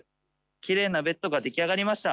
きれいなベッドが出来上がりました。